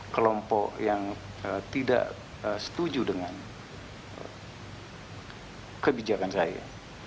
kelompok yang tidak setuju dengan kebijakan saya